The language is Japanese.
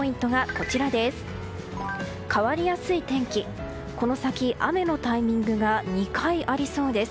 この先、雨のタイミングが２回ありそうです。